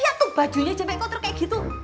iya tuh bajunya aja baik kotor kayak gitu